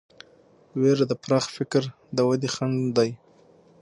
وېره د پراخ فکر د ودې خنډ دی.